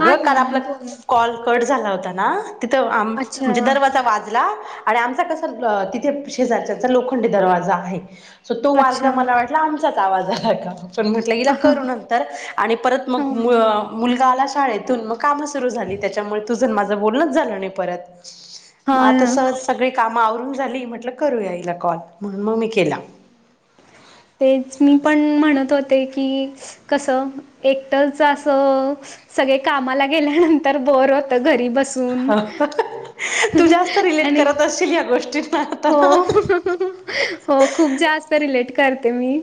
हा काल आपलं बोला कॉल कट झाला होता ना तिथ अच्छा म्हणजे दरवाजा वाजला आणि आमचा कसा तिथे शेजारच्याचा लोखंड दरवाजा आहे सो तो अच्छा वाजला मला वाट. आमचाच आवाज हाय का चल म्हटल हिला ह ह करू नं तर परत ह मग ह. मुलगी काल आले शळेतून म काम सुर झाली त्याच्यामुळे त माझ बण झालं नाही परत. हा आता ना सहज सगळी काम आवरून झाली म्हटलं करूयाईला कॉल म्हणून मग मी केला. थी थि तेच मी पण म्हणत होते की. कसं एकटच जास. सगळे कामाला गेल्यानंतर बर होत घरी बस हो तू जास्त रिलेट आणि करत असशील या गोष्टींना आता हो ना. हो खूप जास्त रिलेट करते मी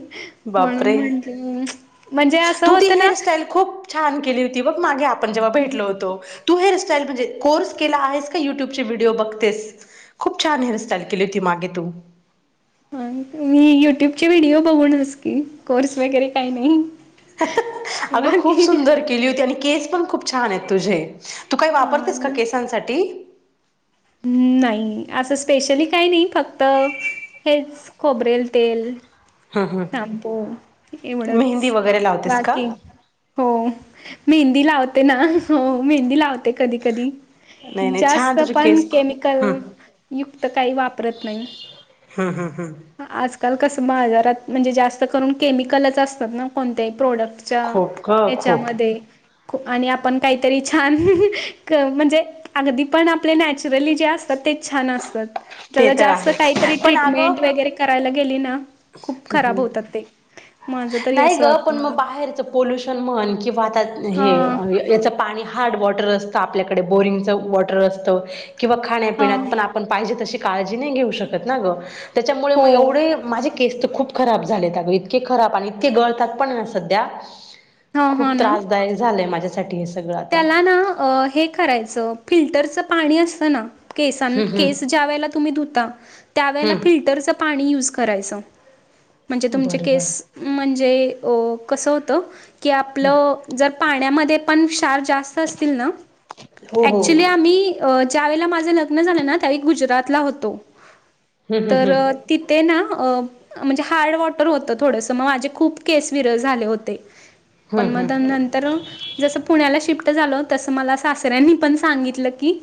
म्हणून बापरे म्हटल मी म्हणजे असं तू ती होत ना. हेअरस्टाईल खूप छान केली होती बघ मागे आपण जेव्हा भेटलो होतो. तू हेअरस्टाईल म्हणजे कोर्स केला आहेस का यूट्यूबचे व्हिडिओ बघतेस. खूप छान हेअरस्टाईल केली होती मागे तू. मी युट्यूबचे व्हिडिओ बघूनस की कोर्स वगैरे काही नाही अगं खूप बाकी सुंदर केली होती आणि केस पण खूप छान आहेत तुझे. तू काय वापरतेस का हा केसांसाठी? हम् नाही असं स्पेशली काही नाही फक्त. हेच खोबरेल तेल. हं हं ताम्पू मेहंदी एवढंच वगैरे लावतेस का बाकी. हो मेहंदी लावते ना हो मेहंदी लावते. कधी कधी नाही नाही छान जास्त. तुझे पण केस हं केमिकल युक्त काही वापरत नाही. हं हं आजकाल कसं बाजारात म्हणजे जास्त करून केमिकलच असतात ना कोणत्याही प्रोडक्ट. च्या खूप ग खूप याच्यमध्ये आणि आपण काहीतरी छान म्हणजे अगदी पण जे नॅचरली जे असतात तेच छान असतात. ते त्या तर जास्त आहेच काहीतरी पण ट्रीटमेंट अगं वगैरे करायला गेली ना खूप खराब होतात ते. माझ तरी नाही असं ग वाटतं पण मला. मग बाहेरचं पोल्युशन म्हण किंवा वातता हे हा याचा- पाणी हार्ड वॉटर असत आपल्याकडे बोरिंगच वॉटर असत किंवा हा खाण्यापिण्यात पण. पाहिजे तशी काळजी नाही घेऊ शकत ना ग त्याच्यामुळे हो मग एवढे. माझे केस तर खूप खराब झालेत अग इतके खराब आणि इतके गळतात पण ना सध्या. हा हा खूप ना. त्रासदायक झालंय माझ्यासाठी हे सगळं. आता त्याला ना हे करायचं फिल्टरचं पाणी असतं ना. केसांना हम्म हम्म केस ज्या वेळेला तुम्ही धुता त्या वेळेला हम्म फिल्टर पाणी यूज करायचं म्हणजे तुमचे बरं बरं केस. म्हणजे कस होत की हम्म आपलं जर पाण्यामध्ये पण, क्ष क्षार जास्त असतील ना, हो हो अक्च्युली आम्ही ज्यावेळेला माझं लग्न झालं ना, त्यावेळी गुजरातला होतो हम्म हम्म तर हम्म तिथे ना अ म्हणजे हार्ड वॉटर होतं थोडंसं, मग माझे खूप केस विरळ झाले होते. हम्म पण मद हम्म नंतर जस पुण्याला शिफ्ट झालो, तसं मला सासऱ्यांनी पण सांगितलं की,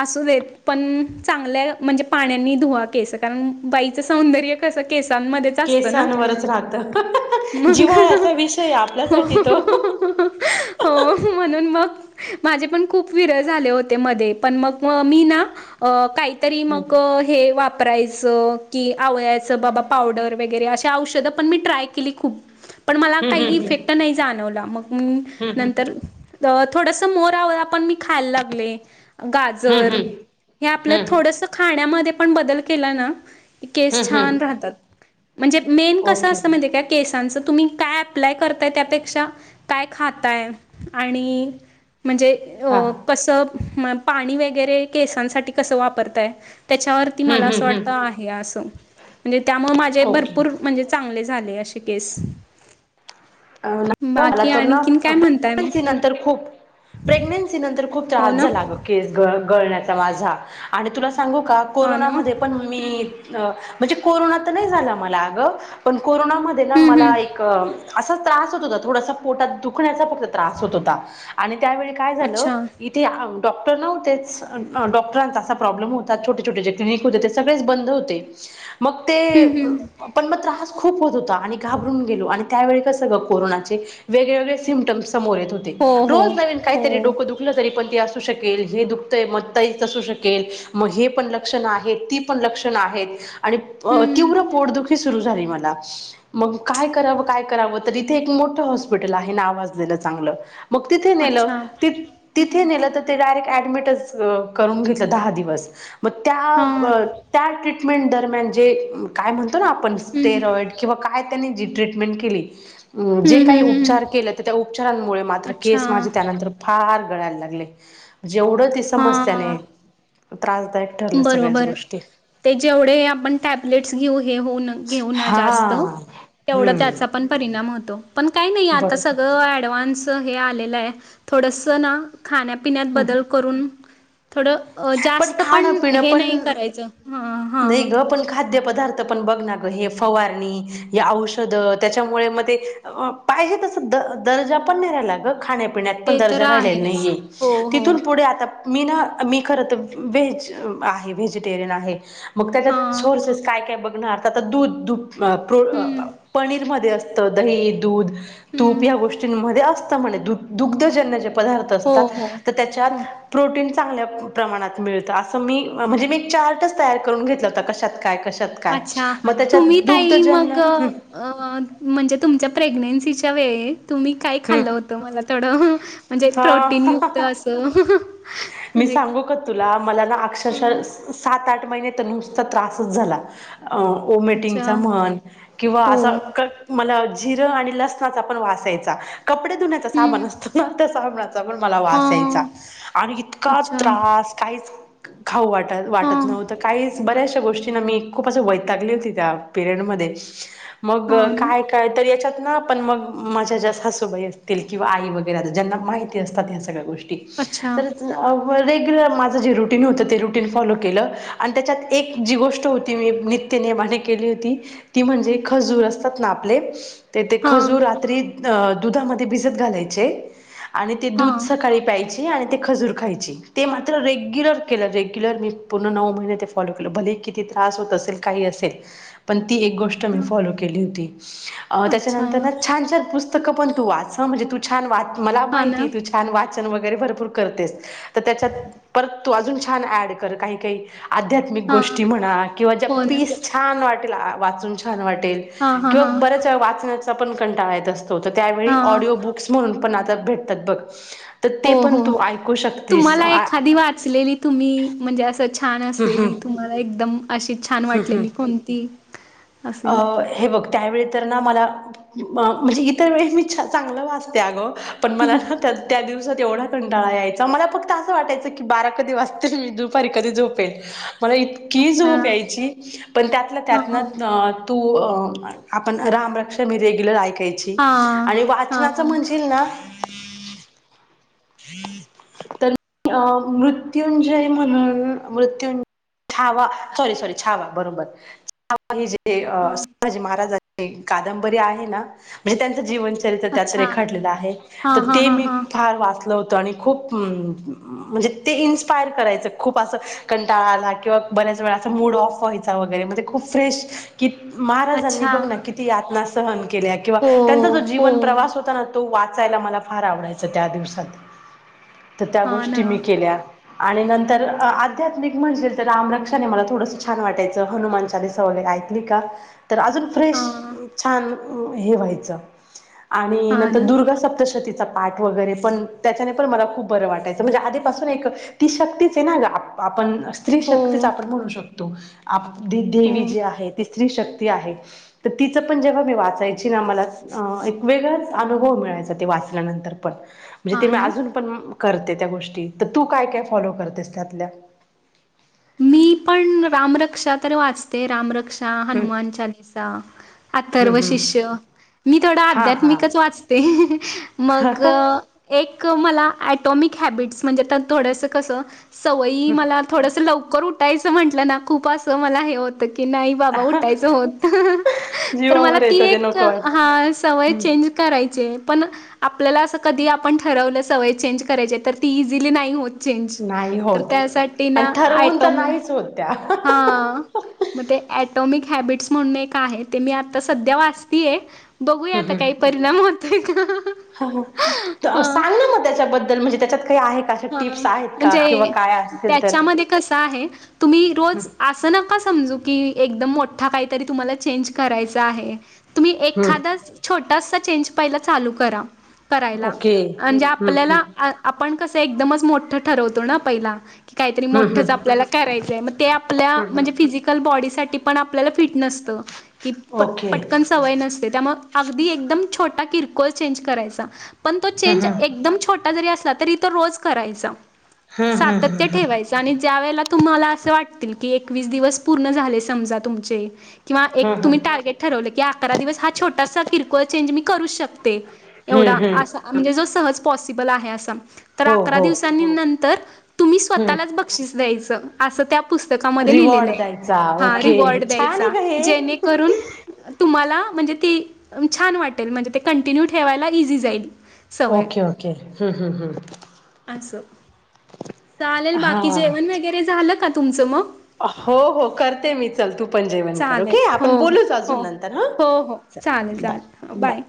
असू देत, पण चांगल्या म्हणजे पाण्यांनी धुवा केसं कारण बाईचं सौंदर्य कस केसांमध्येच असत ना, केसांवरच राहतं मग जिव्हाळ्याचा विषय आहे हो आपल्यासाठी तो हो. म्हणून मग, माझे पण खूप विरळ झाले होते मध्ये पण मग मी ना अ काहीतरी हम्म मग, हे वापरायचं की, आवळ्याचं बाबा पावडर वगैरे अशी औषधं पण मी ट्राय केली खूप. ह पण मला काही इफेक्ट नाही जाणवला, मग मी हम्म नंतर. थोडस मोरा आवळा पण मी खायला लागले. हम्म हम्म गाजर हे हम्म आपल्या हम्म थोडस खाण्यामध्ये पण बदल केला ना केस हम्म छान हम्म राहतात, म्हणजे मेन कस ओके असतं माहिती आहे काय केसांच तुम्ही काय अप्लाय करताय त्यापेक्षा काय खाताय? आणि म्हणजे अ हां कस पाणी वगैरे केसांसाठी कस वापरताय त्याच्यावर मला हम्म असं हम्म वाटत हम्म आहे अस म्हणजे त्यामुळे माझे ओके भरपूर म्हणजे चांगले झाले अशे केस बाकी आणखी काय म्हण ताय मग? तरं खूप प्रेग्नंन्सी नंतर खूप हो त्रास ना, झाला अगं. केस ग गळण्याचा माझा आणि तुला सांगू का हो ना. कोरोनामध्ये पण मी अ म्हणजे कोरोना तर नाही झाला मला अगं, पण कोरोनामध्ये ना हं, हं. मला एक असा त्रास होत होता थोडासा पोटात दुखण्याचा फक्त त्रास होत होता आणि त्यावेळी काय झालं अच्छा. इते डॉक्टर नव्हतेच, डॉक्टरांचा असा प्रॉब्लेम होता छोटे छोटे जे क्लिनिक होते ते सगळेच बंद होते. मग ते हं, हं. पण मग त्रास खूप होत होता आणि घाबरून गेलो आणि त्यावेळी कसं ग कोरोनाचे वेगळेवेगळे सिम्टम्स समोर येत होते, हो, हो, रोज नवीन काहीतरी हो. डोकदु तरी पण ते असू शकेल, हे दुखतय मता असू शकेल मग हे पण लक्षणं आहेत ती पण लक्षण आहेत. आणि हं. तीव्र पोटदुखी सुरु झाली मला, मग काय कराव काय कराव, इथे एक मोठ हॉस्पिटल आहे नावाजलेल चांगलं मग तिथे नेलं, अच्छा. तिथे हं. नेलं तर तिथे डायरेक्ट ॲडमिटच करुन घेतल दहा दिवस, मग हां. त्या ट्रीट् टमेंट दरम्यान जे काय म्हणतो ना आपण, हं, हं. स्टेरॉइड किंवा काय त्यांनी जी ट्रीटमेंट केली अ जे हं, काही हं, हं. उपचार केले, तर त्या उपचारांमुळे मात्र अच्छा केस माझे त्यानंतर फार गळायला लागले, जेवढं ते समस्या हां नाही त्रासदाय बरोबर ते जेवढे आपण टॅबलेट्स घेऊ हे होऊन. घेऊ ना हा जास्त तेवढं हम्म त्याचा पण परिणाम होतो, पण आता काही नाही बरोबर सगळं ॲडव्हांस चं हे आलेलं आहे, थोडस ना खाण्यापिण्यात बदल करून थोड अ जास्त खाणं पण पिणं हे नाही पण करायचं, ह हा. नाही ग पण खाद्य पदार्थ पण बघ ना ग, हे फवारणी हे औषध त्याच्यामुळे मग ते पाहिजे तस द दर्जा पण नाही रायला ग खाण्या पिण्यात पण ते तर दर्जा राहिला आहेच नाही, हो हो तिथून पुढ आता मी ना मी. खरं तर व्हेज, व्हेजिटेरीयन आहे, मग त्यात हां सोर्सेस काय काय बग ना आता तर दूध दूध प्रो अ हम्म पनीरमध्ये असतं दही दूध तूप हम्म या गोष्टींमध्ये असत म्हणे, दुग्धजन्य ज पदार्थ हो असतात, हो तर त्याच्यात हो प्रोटीन चांगल्या प्रमाणात मिळतं, असं मी म्हणजे मी एक चार्टच तयार करून घेतला होता, कशात काय? कशात अच्छा मग त्याच्यात तुम्ही ताई दुग्धजन्य मग हम. अ म्हणजे तुमच्या प्रेग्नेन्सीच्या वेळी तुम्ही काही हम्म खाल्लं होतं, मला थोडं म्हणजे प्रोटीन युक्त हा अस मी सांगू का तुला, मला ना अक्षरशः हं, सात-आठ महिने तर नुसता त्रासच झाला. अ अच्छा ओमेटिंगचा म्हण किंवा हो असं मला जिरं आणि लसणाचा पण वास यायचा, कपडे धुण्याचा साबन हम्म असतो ना, त्या साबनाचा पण मला वास यायचा हां आणि इतका अच्छा त्रास काहीच खाऊ वाट वाटत हां नव्हतं, काहीच बऱ्याच शा गोष्टींना मी खूप अशी वैतागली होती, त्या पिरियड मध्ये मग हां ना काय काय तर याच्यात ना पण मग माझ्या ज्या सासूबाई असतील किंवा आई वगैरे आता ज्यांना माहि ती असतात ह्या सगळ्या गोष्टी. अच्छा. अ रेग्युलर माझं जे रुटीन होतं, ते रुटीन फॉलो केलं आणि त्याच्यात एक जी गोष्ट होती मी नित्य त्य नेमाने केली होती, ती म्हणजे खजूर असतात ना आपले त ते खजूर हां रात्री अ दुधामध्ये भिजत घालायचे आणि ते दूध हां सकाळी प्यायची आणि ते खजूर खायची, ते मात्र रेग्युलर केेल, रेग्युलर मी पूर्ण नऊ महिने ते फॉलो केल, भले किती त्रास होत असेल. काही असेल. पण ती एक गोष्ट मी फॉलो केली होती, अ अच्छा त्याच्यानंतर ना छान-छान पुस्तकं पण तू वाच हां म्हणजे तू छान वाच मला हां ना माहितिये, तू छान वाचन वगैरे भरपूर करतेस. तर त्याच्यात परत तू अजून छान ऍड कर काही-काही आध्या त्मिक हां गोष्टी म्हणा किंवा ज्या हो ना पीस छान वाटेल आ वाचून छान वाटेल हां हां किंवा हां बऱ्याचं वेळा वाचण्याचा पण कंटाळा येत असतो, तं त्यावेळी हां ऑडिओ बुक्स म्हणून आता भेटातात बघ, त ते हो पण हो तू ऐकू शक तुम्हाला एखादी वाचलेली तुम्ही म्हणजे असचं छान हम्म असलेली तुम्हाला एकदम अशीच छान हम्म हम्म वाटलेली कोणती अस अ हे बघ त्यावेळी तर ना मला, म्हणजे इतर वेळी मी चांगलं वाचते अगं पण मला हं, ना त्या त्या दिवसात एवढा कंटाळा यायचा मला फक्त असं वाटायचं की बारा कधी वाजतील, मी दुपारी कधी झोप पेल, मला इतकि अच्छा झोप यायची, पण त्यातळ्या हां त्यात ना हां अ तू अ आपण रामरक्षा मी रेग्युलर ऐकायची. इ हां आणि हां वाचनाच म्हणशील ना तर अ मृत्युंजय म्हणून मृत्युंज छावा सॉरी-सॉरी छावा बरोबर. आपली जे हां संभाजी महाराजांची कादंबरी आहे ना, म्हणजे त्यांचं जीवन च रित्र त्यात अच्छा रेखाटलेलं आहे, त हां हां ते हां मी हां फार वाच ल होतं आणि खूप अ म्हणजे ते इन्स्पायर करायचं खूप असं कंटाळा आला किंवा बऱ्याच वेळा असा मूड ऑफ व्हायचा वगैरे म्हणजे खूप फ्रेश कि महाराजांनी अच्छा बघ ना किती यातना स सहन केल्या किंवा हो त्यांचा जो हो जीवन प्रवास होता ना, तो वाचायला मला फार आवडायच त्या दिवसात. तर त्या हां ना गोष्टी मी केल्या. आणि नंतर आध्यात्मिक म्हणशील तर राम रक्षाने मला थोडस छान वाटायचं, हनुमान चालीसा वगैरे आइक लीका, तर अजून फ्रेश हां छान, हे व्हायचं आणि हां नंतर ना दुर्गा सप्तशती चा पाठ वगैरे पण त्याच्याने पण मला खूप बरं वाटायचं म्हणजे आधीपासून एक ती शक्तीच आहे ना ग आप आपण स्त्री हो शक्तीच आपण म्हणू शकतो, आप दी हो देवी जी आहे ती स्त्री शक्ती आहे. तर तिचं पण जेव्हा मी वाचायची ना मला अ एक वेगळाच अनुभव मिळायचा, ते वाचल्यानंतर पण. म्हणजे ते हां मी ना अजून पण करते त्या गोष्टी त तू काय, काय फॉलो करतेस त्यातल्या. मी पण रामरक्षा तर वाचते, रामरक्षा, हम्म हनुमान चालीसा. हम्म अथर्व हम्म शिष्य. मी थोडं हा हा आध्यात्मिकच वाचते मग. एक मला ॲटॉमिक हॅबिट्स म्हणजे, त थोडंसं कसं सवयी मला. थोडसं लवकर उठायचं म्हटलं ना, खूप असं मला हे होतं की नाही बाबा उठायचं होत, तर मला जीवावर ती येतं ते एक नको वाट हा सवय हम्म चेंज करायची आहे पण. आपल्याला असं कधी आपण ठरवलं, सवय चेंज करायच्या तर ती इझिली नाही होतं. चेंज नाही तर होत त्यासाठी ना आणि ठरवून तर आटोमी नाहीच होत त्या. हा. मग ते अटॉमिक हॅबिट्स म्हणून एक आहे, ते मी आता सध्या वाचतीय. बघूया आता हम्म हम्म. काही परिणाम होतोय का हा. सांग ना मग त्याच्याबद्दल, म्हणजे त्याच्यात काही आहे. का अशा हं टिप्स आहेत का किंवा म्हणजे काय असतील तर. त्याच्यामध्ये कस आहे तुम्ही रोज आ सं नका समजू की एकदम मोठा काहीतरी तुम्हाला चेंज करायचा आहे. तुम्ही हम्म एखादाच, छोटासा चेंज पहिला चालू करा. करायला ओके अनं ज्या हम्म आपल्याला हम्म आ आपण कसं एकदमच मोठ ठरवतो ना पहिला. की काहीतरी हम्म मोठंच हम्म. आपल्याला करायचंय, मग ते आपल्या हम्म म्हणजे हम्म फिजिक कल बॉडीसाठी पण आपल्याला फिट नसतं कि प ओके पटकन. सवय नसते त्यामुळे अगदी एकदम छोटा किरकोळ चेंज करायचा. पण तो ह चेंज ह एकदम छोटा जरी असला, तरी तो रोज करायचा ह ह सातत्य ह. ठेवायच. आणि ज्या वेळेला तुम्हाला असं वाटतील की एकवीस दिवस पूर्ण झाले समजा तुमचे. किंवा एक हम्म तुम्ही टार्गेट ठरवलं, की अकरा दिवस हा छोटासा किरकोळ चेंज मी करू शक ते एवढा हम्म हम्म आसा आ म्हणजे, सहज पॉसिबल आहे आसा तर हो अकरा हो दिवसा णी नंतर तुम्ही हम्म स्वतःला बक्षीस द्यायच अस त्या पुस्तकामध्ये रिवॉर्ड लिहिलेलयं, द्यायचा हा ओके रिवॉर्ड छान आहे द्यायचा ग हे. जेणेकरून तुम्हाला म्हणजे ती छान वाटेल, म्हणजे ते कंटिन्यू ठेवायला इजी जाईल. सवय ओके, ओके, हं हं हं! असं चालेल बाकी जेवण, हा. वगैरे झालं का तुमचं मग. हो हो करते मी. चल तू पण जेवण कर, चालेल ओके हो आपण हो बोलूचं अजून हो नंतर हं हो हो चालेल चल बाय चालेल बाय.